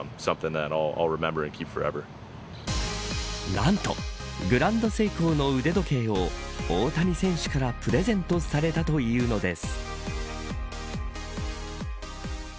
なんとグランドセイコーの腕時計を大谷選手からプレゼントされたというのです。